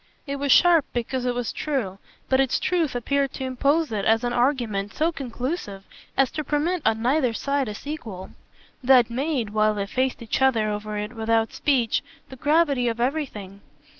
It was sharp because it was true, but its truth appeared to impose it as an argument so conclusive as to permit on neither side a sequel. That made, while they faced each other over it without speech, the gravity of everything.